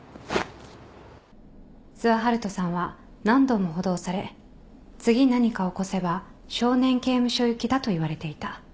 諏訪遙人さんは何度も補導され次何か起こせば少年刑務所行きだと言われていた。